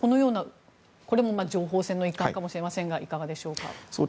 これも情報戦の一貫かもしれませんがいかがでしょうか？